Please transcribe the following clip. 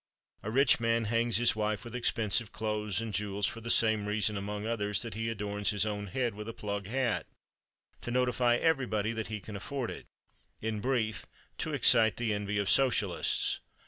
A rich man hangs his wife with expensive clothes and jewels for the same reason, among others, that he adorns his own head with a plug hat: to notify everybody that he can afford it—in brief, to excite the envy of Socialists.